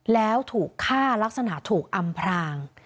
แล้วถูกฆ่าลักษณะถูกอำพราง